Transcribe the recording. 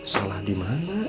salah di mana